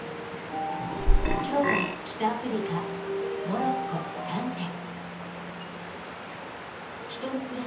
今日は北アフリカモロッコタンジェ。